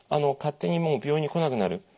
勝手にもう病院に来なくなる。